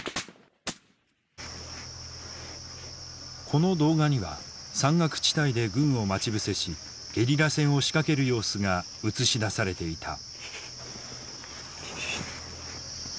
この動画には山岳地帯で軍を待ち伏せしゲリラ戦を仕掛ける様子が映し出されていた。